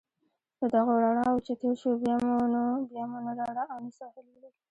له دغو رڼاوو چې تېر شوو، بیا مو نه رڼا او نه ساحل ولید.